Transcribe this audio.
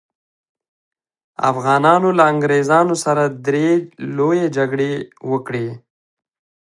افغانانو له انګریزانو سره درې لويې جګړې وکړې.